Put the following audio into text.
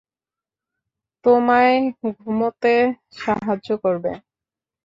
তোমায় ঘুমোতে সাহায্য করবে।